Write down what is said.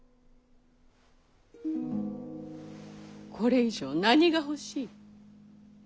これ以上何が欲しい。